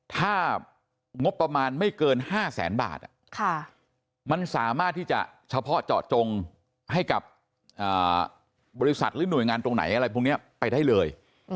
ถ้างบประมาณไม่เกิน๕แสนบาทมันสามารถที่จะเฉพาะเจาะจงให้กับบริษัทหรือหน่วยงานตรงไหนอะไรพวกนี้ไปได้เลย